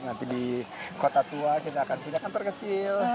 nanti di kota tua kita akan punya kantor kecil